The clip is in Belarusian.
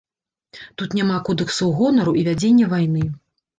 Тут няма кодэксаў гонару і вядзення вайны.